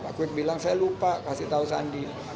pak kwi bilang saya lupa kasih tau sandi